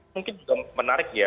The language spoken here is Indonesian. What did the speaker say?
mungkin juga menarik ya